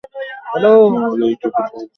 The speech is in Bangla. কেবল এটুকুই চাইছি।